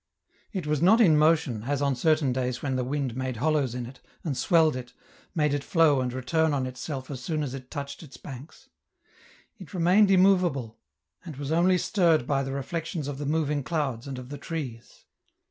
It was not in motion, as on certain days when the wind made hollows in it, and swelled it, made it flow and return on itself as soon as it touched its banks. It remained immovable, and was only stirred by the reflections of the moving clouds and of the trees.